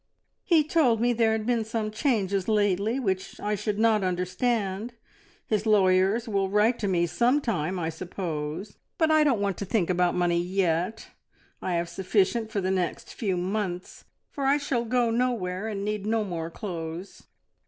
"He told me there had been some changes lately, which I should not understand. His lawyers will write to me some time, I suppose, but I don't want to think about money yet. I have sufficient for the next few months, for I shall go nowhere, and need no more clothes."